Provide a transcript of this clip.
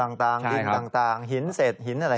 โคลนต่างดินต่างหินเสดหินอะไรอย่างนี้